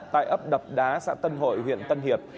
tại ấp đập đá xã tân hội huyện tân hiệp